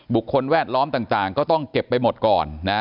แวดล้อมต่างก็ต้องเก็บไปหมดก่อน